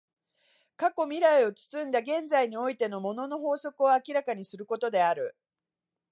過去未来を包んだ現在においての物の法則を明らかにすることである。